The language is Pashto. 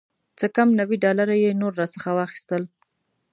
څه کم نوي ډالره یې نور راڅخه واخیستل.